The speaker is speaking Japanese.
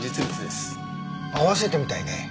合わせてみたいね。